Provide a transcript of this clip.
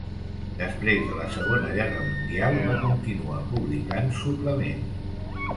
Després de la Segona Guerra Mundial va continuar publicant suplements.